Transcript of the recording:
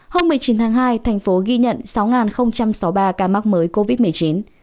hôm một mươi chín tháng hai thành phố ghi nhận sáu sáu mươi ba ca mắc mới covid một mươi chín